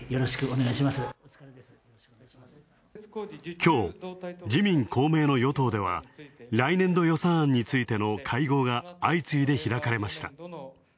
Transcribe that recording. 今日、自民・公明の与党では、来年度予算案の会合が相次いで開かれました。